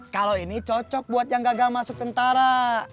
kalau ini cocok buat yang gagal masuk tentara